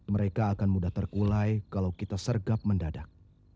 mereka akan mudah terkulai kalau kita sergap mendadak